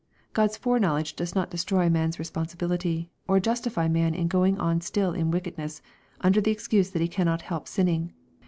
God's foreknowledge does not destroy man's responsibility, or justify man in going on still in wickedness, under the excuse that he cannot help sinning.